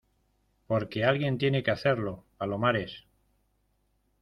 porque alguien tiene que hacerlo, Palomares.